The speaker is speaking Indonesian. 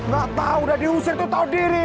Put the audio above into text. gak tahu udah diusir itu tahu diri